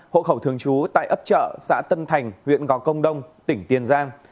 bảy trăm bảy mươi ba hộ khẩu thường chú tại ấp chợ xã tân thành huyện gò công đông tỉnh tiền giang